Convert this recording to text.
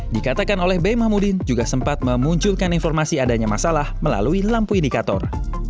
dikatakan oleh b mahmudin juga sempat memunculkan informasi adanya masalah melalui lampu indikator